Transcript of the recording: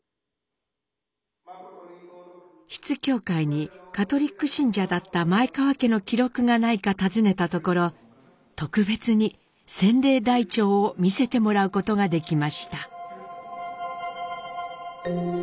出津教会にカトリック信者だった前川家の記録がないか尋ねたところ特別に洗礼台帳を見せてもらうことができました。